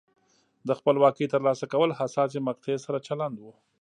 د خپلواکۍ ترلاسه کول حساسې مقطعې سره چلند و.